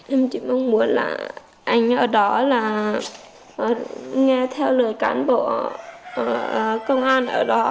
em chỉ mong muốn là anh ở đó là nghe theo lời cán bộ công an ở đó